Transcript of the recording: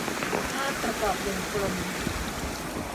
ภาพประกอบวงกลม